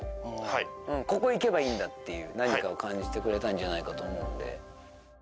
ここいけばいいんだっていう何かを感じてくれたんじゃないかと思うんで。